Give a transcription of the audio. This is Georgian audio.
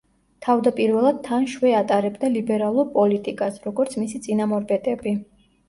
თავდაპირველად თან შვე ატარებდა ლიბერალურ პოლიტიკას, როგორც მისი წინამორბედები.